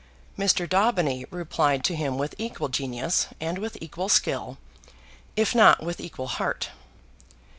Mr. Daubeny replied to him with equal genius, and with equal skill, if not with equal heart.